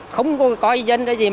không có dân gì